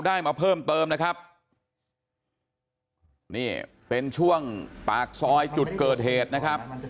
ได้มาเพิ่มเติมนะครับนี่เป็นช่วงปากซอยจุดเกิดเหตุนะครับ